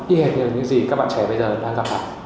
y hệt như là những gì các bạn trẻ bây giờ đang gặp ạ